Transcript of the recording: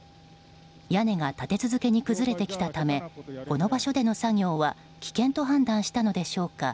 屋根が立て続けに崩れてきたためこの場所での作業は危険と判断したのでしょうか